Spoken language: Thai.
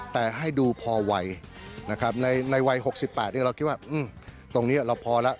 แต่ให้ดูพอวัยนะครับในวัย๖๘เราคิดว่าตรงนี้เราพอแล้ว